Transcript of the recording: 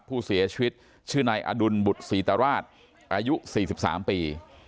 ผู้เสียชีวิตชื่อนายอดุลบุตรศรีตราชอายุ๔๓ปี